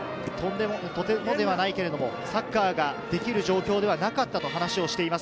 とてもではないけれども、サッカーができる状況ではなかったと話をしています。